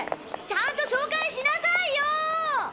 ちゃんと紹介しなさいよ！